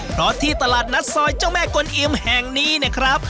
เพราะที่ตลาดนัดซอยเจ้าแม่กลอิมแห่งนี้เนี่ยครับ